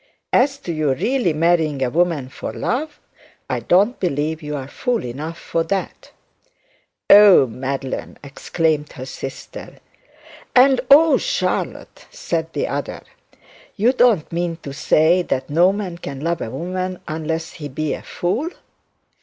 As to your really marrying a woman for love, I don't believe you are fool enough for that.' 'Oh, Madeline!' cried her sister. 'And oh, Charlotte!' said the other. 'You don't mean to say that no man can love a woman unless he is a fool?'